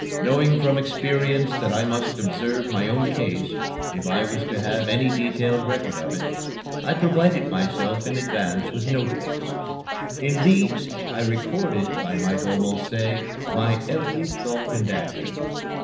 Knowing from experience that I must observe my own case, if I was to have any detailed record of it, I provided myself in advance with notebooks. In these I recorded, I might almost say, my every thought and action.